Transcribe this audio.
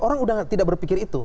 orang sudah tidak berpikir itu